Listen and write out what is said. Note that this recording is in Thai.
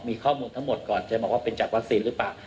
มีข้อมูลทั้งหมดก่อนจะบอกว่าเป็นจากวัคซีนหรือเปล่า